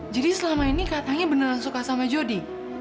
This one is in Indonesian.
jadi selama ini katanya beneran suka sama jodi